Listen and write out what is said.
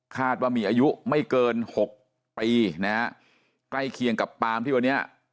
ว่ามีอายุไม่เกินหกปีนะฮะใกล้เคียงกับปามที่วันนี้